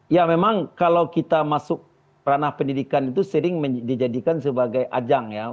ya memang kalau kita masuk ranah pendidikan itu sering dijadikan sebagai ajang ya